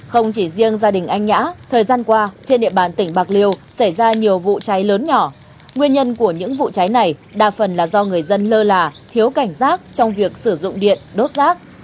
không chỉ riêng gia đình anh nhã thời gian qua trên địa bàn tỉnh bạc liêu xảy ra nhiều vụ cháy lớn nhỏ nguyên nhân của những vụ cháy này đa phần là do người dân lơ là thiếu cảnh giác trong việc sử dụng điện đốt rác